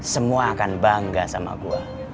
semua akan bangga sama gue